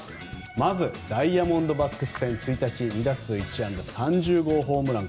まず、ダイヤモンドバックス戦１日、２打数１安打３０号ホームラン。